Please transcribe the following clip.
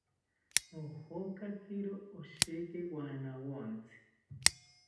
Nojokakiro osheki wanawontzi